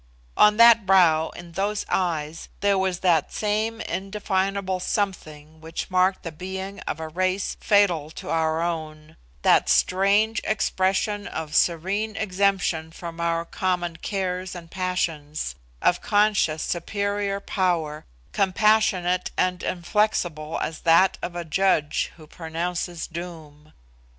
On that brow, in those eyes, there was that same indefinable something which marked the being of a race fatal to our own that strange expression of serene exemption from our common cares and passions, of conscious superior power, compassionate and inflexible as that of a judge who pronounces doom.